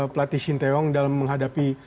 pelatih shin taeyong dalam menghadapi